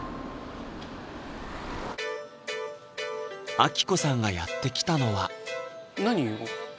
亜希子さんがやって来たのは何？